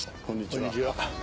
こんにちは。